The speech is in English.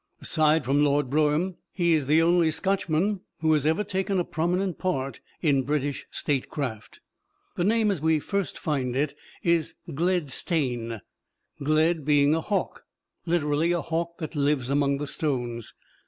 Aside from Lord Brougham, he is the only Scotchman who has ever taken a prominent part in British statecraft. The name as we first find it is Gled stane, "gled" being a hawk literally, a hawk that lives among the stones.